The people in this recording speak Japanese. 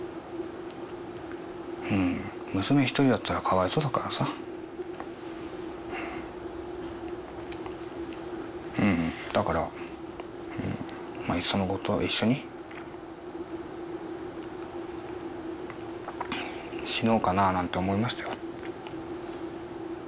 娘一人だったらかわいそうだからさだからいっそのこと一緒に死のうかななんて思いましたよ。